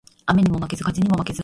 雨ニモ負ケズ、風ニモ負ケズ